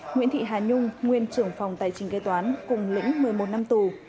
nguyễn thị hà nhung nguyên trưởng phòng tài trình kế toán cùng lĩnh một mươi một năm tù